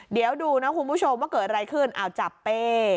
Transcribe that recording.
เดี๋ยวดูนะคุณผู้ชมว่าเกิดอะไรขึ้นเอาจับเป้